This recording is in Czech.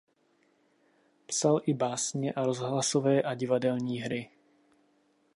Psala i básně a rozhlasové a divadelní hry.